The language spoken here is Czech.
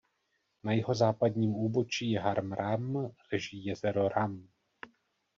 Na jihozápadním úbočí Har Ram leží jezero Ram.